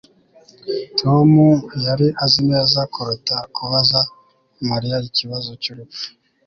Tom yari azi neza kuruta kubaza Mariya ikibazo cyubupfu